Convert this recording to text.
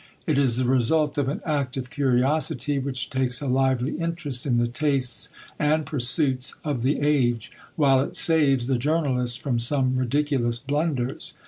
It is the result of an active curiosity, which takes a lively interest in the tastes and pursuits of the age, while it saves the journalist from some ridiculous blunders.